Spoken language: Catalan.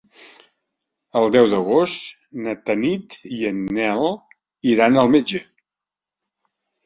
El deu d'agost na Tanit i en Nel iran al metge.